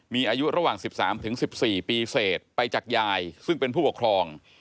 มีอายุระหว่าง๑๓๑๔ปีเศษไปจากยายซึ่งเป็นผู้ปกครอง